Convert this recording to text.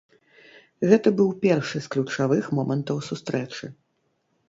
Гэта быў першы з ключавых момантаў сустрэчы.